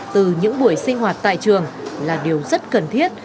từ những buổi sinh hoạt tại trường là điều rất cần thiết